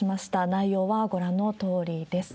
内容はご覧のとおりです。